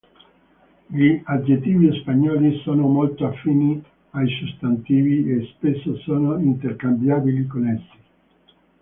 Gli aggettivi spagnoli sono molto affini ai sostantivi e spesso sono intercambiabili con essi.